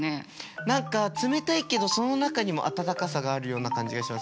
何か冷たいけどその中にも温かさがあるような感じがします。